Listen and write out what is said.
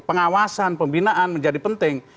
pengawasan pembinaan menjadi penting